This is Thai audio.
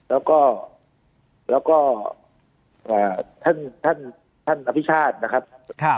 แล้วก็แล้วก็อ่าท่านท่านท่านอภิกษานะครับครับ